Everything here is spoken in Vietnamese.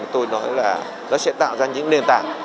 tôi nói là nó sẽ tạo ra những nền tảng